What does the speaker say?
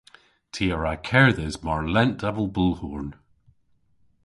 Ty a wra kerdhes mar lent avel bulhorn.